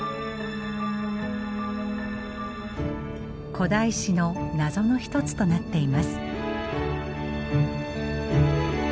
古代史の謎の一つとなっています。